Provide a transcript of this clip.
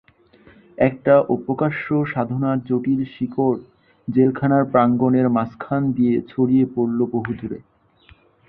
একটা অপ্রকাশ্য সাধনার জটিল শিকড় জেলখানার প্রাঙ্গণের মাঝখান দিয়ে ছড়িয়ে পড়ল বহুদূরে।